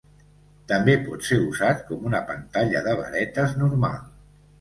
També pot ser usat com una pantalla de varetes normal.